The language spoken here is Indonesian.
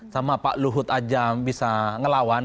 sama pak luhut aja bisa ngelawan